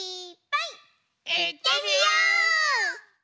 いってみよう！